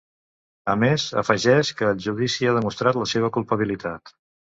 A més, afegeix que el judici ha demostrat la seva culpabilitat.